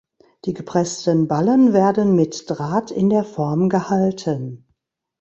Die gepressten Ballen werden mit Draht in der Form gehalten.